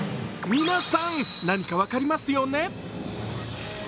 皆さん、何か分かりますよね？